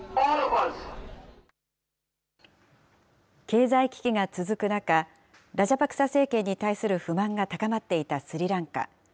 経済危機が続く中、ラジャパクサ政権に対する不満が高まっていたスリランカ。